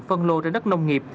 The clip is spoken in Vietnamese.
phân lô ra đất nông nghiệp